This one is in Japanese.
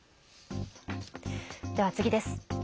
では、次です。